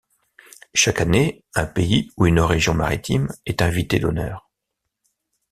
Chaque année, un pays ou une région maritime est invité d'honneur.